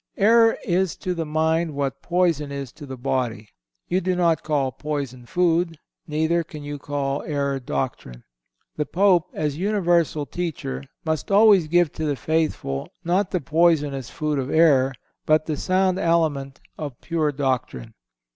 Error is to the mind what poison is to the body. You do not call poison food; neither can you call error doctrine. The Pope, as universal teacher, must always give to the faithful not the poisonous food of error, but the sound aliment of pure doctrine.